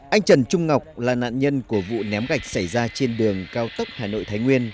anh trần trung ngọc là nạn nhân của vụ ném gạch xảy ra trên đường cao tốc hà nội thái nguyên